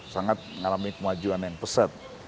sangat mengalami kemajuan yang pesat